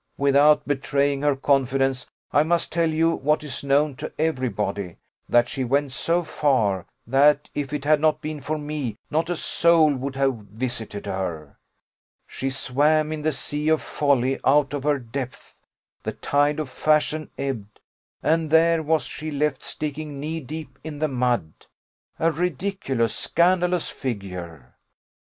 Without betraying her confidence, I may just tell you what is known to every body, that she went so far, that if it had not been for me, not a soul would have visited her: she swam in the sea of folly out of her depth the tide of fashion ebbed, and there was she left sticking knee deep in the mud a ridiculous, scandalous figure.